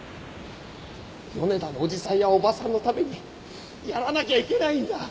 米田のおじさんやおばさんのためにやらなきゃいけないんだ。